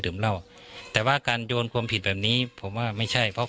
เหล้าแต่ว่าการโยนความผิดแบบนี้ผมว่าไม่ใช่เพราะ